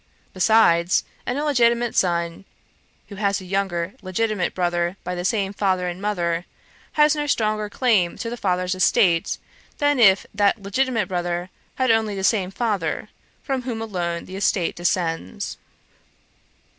Besides, an illegitimate son, who has a younger legitimate brother by the same father and mother, has no stronger claim to the father's estate, than if that legitimate brother had only the same father, from whom alone the estate descends.